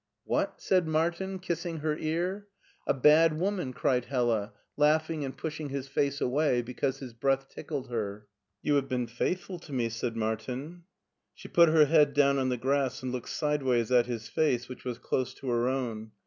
What ?" said Martin, kissing her ear. A bad woman/' cried Hella, laughing and pushing his face away because his breath tickled her. " You have been faithful to me/' said Martin. She put her head down on the grass and looked side* ways at his face, which was close to her own.